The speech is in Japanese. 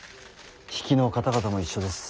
比企の方々も一緒です。